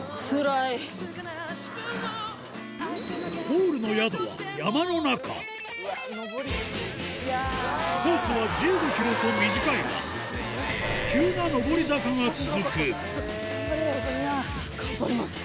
ゴールの宿は山の中コースは１５ｋｍと短いが頑張れオカリナ。